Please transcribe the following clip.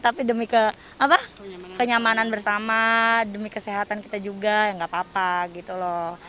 tapi demi kenyamanan bersama demi kesehatan kita juga ya nggak apa apa gitu loh